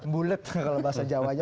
bulet kalau bahasa jawanya